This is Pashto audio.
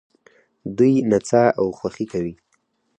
دوی نڅا او خوښي کوي.